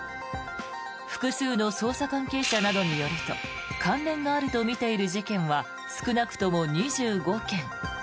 複数の捜査関係者などによると関連があるとみている事件は少なくとも２５件。